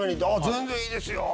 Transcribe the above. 全然いいですよ！